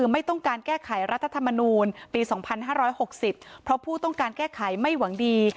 ไม่ต้องการแก้ไขรัฐธรรมนูลปี๒๕๖๐เพราะผู้ต้องการแก้ไขไม่หวังดี